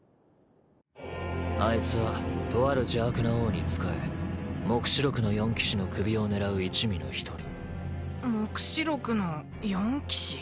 あいつはとある邪悪な王に仕え黙示録の四騎士の首を狙う一味の一人もくしろくのよんきし？